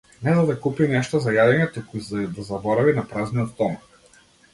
Не за да купи нешто за јадење, туку за да заборави на празниот стомак.